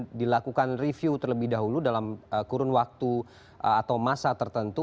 dan juga nanti kegiatan kegiatan tersebut akan dilakukan review terlebih dahulu dalam kurun waktu atau masa tertentu